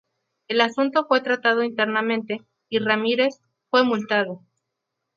El asunto fue tratado internamente, y "Ramírez" fue multado.